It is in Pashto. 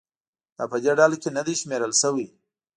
دا په دې ډله کې نه دي شمېرل شوي.